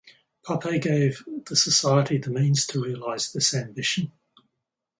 Pape gave the society the means to realize this ambition.